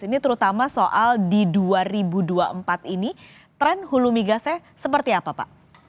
ini terutama soal di dua ribu dua puluh empat ini tren hulu migasnya seperti apa pak